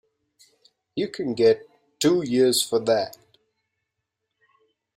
You can get two years for that.